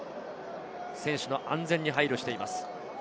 選手の安全に配慮しています。